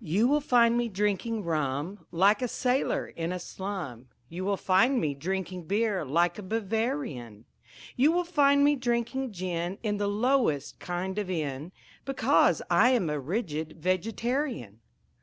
You will find me drinking rum, Like a sailor in a slum, You will find me drinking beer like a Bavarian. You will find me drinking gin In the lowest kind of inn, Because I am a rigid Vegetarian.